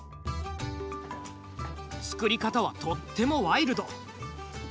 作り方はとってもワイルド。